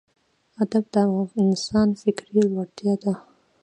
ادب د انسان فکري لوړتیا ده.